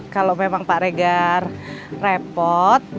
kalau memang pak regar repot